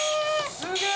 すげえ！